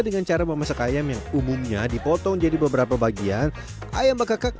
dengan cara memasak ayam yang umumnya dipotong jadi beberapa bagian ayam bekakak